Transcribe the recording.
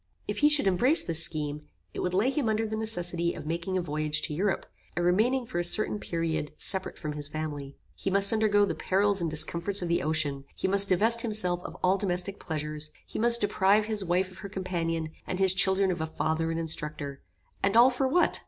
If he should embrace this scheme, it would lay him under the necessity of making a voyage to Europe, and remaining for a certain period, separate from his family. He must undergo the perils and discomforts of the ocean; he must divest himself of all domestic pleasures; he must deprive his wife of her companion, and his children of a father and instructor, and all for what?